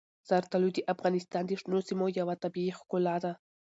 زردالو د افغانستان د شنو سیمو یوه طبیعي ښکلا ده.